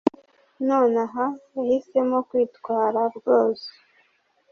nonaha. yahisemo kwitwara; rwose